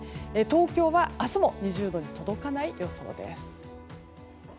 東京は明日も２０度に届かない予想です。